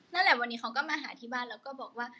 นั่นแหละวันนี้เขาก็มาหาที่บ้านแล้วก็บอกว่า